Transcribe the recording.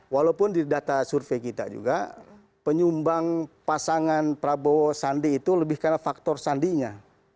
walaupun di data survei kita juga penyumbang pasangan prabowo sandi itu lebih karena faktor sandinya